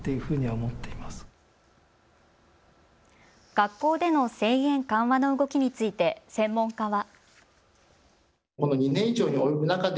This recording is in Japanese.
学校での制限緩和の動きについて専門家は。